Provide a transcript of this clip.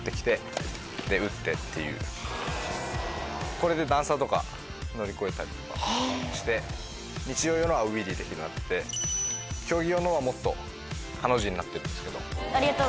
これで段差とか乗り越えたりとかして日常用のはウィリーできるようになってて競技用のはもっとハの字になってるんですけど。